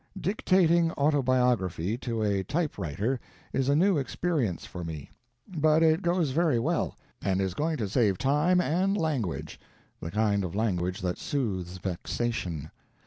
Dictating autobiography to a typewriter is a new experience for me, but it goes very well, and is going to save time and "language" the kind of language that soothes vexation.